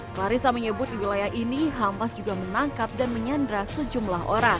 clarissa menyebut di wilayah ini hamas juga menangkap dan menyandra sejumlah orang